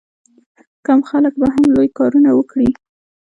کم خلک به هم لوی کارونه وکړي.